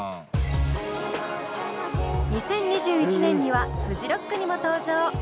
２０２１年にはフジロックにも登場。